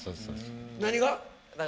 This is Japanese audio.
何が？